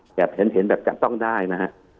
แบบเห็นแบบจับต้องได้นะฮะ